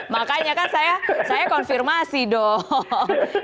makanya kan saya konfirmasi dong